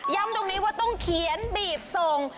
ตรงนี้ว่าต้องเขียนบีบส่ง